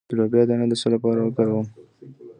د لوبیا دانه د څه لپاره وکاروم؟